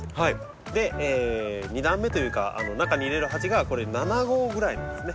で２段目というか中に入れる鉢がこれ７号ぐらいなんですね。